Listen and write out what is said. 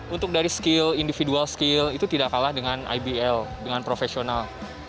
untuk dari skill individual skill itu tidak kalah dengan ibl dengan profesional